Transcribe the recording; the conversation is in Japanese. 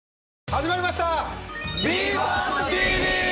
始まりました！